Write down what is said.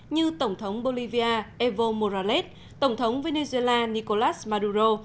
như tổng thống bolivia evo morales tổng thống venezuela nicolas maduro